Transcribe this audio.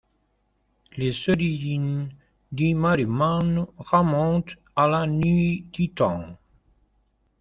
Les origines du Maremmano remonte à la nuit des temps.